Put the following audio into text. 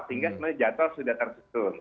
sehingga sebenarnya jadwal sudah tersusun